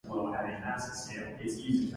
A very large number given its population.